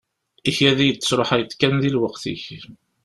Ikad-iyi-d tesruḥayeḍ kan di lweqt-ik.